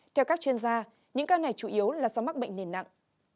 theo các chuyên gia những ca này chủ yếu là do mắc bệnh nền nặng